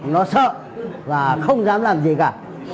nó sợ và không dám làm gì cả